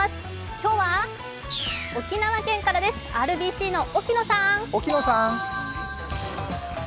今日は沖縄県からですＲＢＣの沖野さん。